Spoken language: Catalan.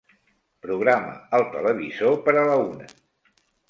Programa el televisor per a la una.